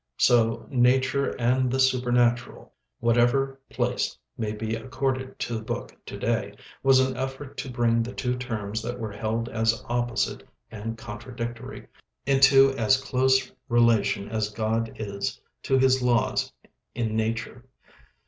So 'Nature and the Supernatural,' whatever place may be accorded to the book to day, was an effort to bring the two terms that were held as opposite and contradictory, into as close relation as God is to his laws in nature.